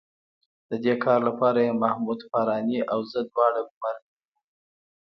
د دې کار لپاره یې محمود فاراني او زه دواړه ګومارلي وو.